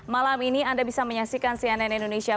malam ini anda bisa menyaksikan cnn indonesia